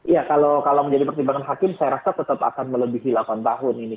ya kalau menjadi pertimbangan hakim saya rasa tetap akan melebihi delapan tahun ini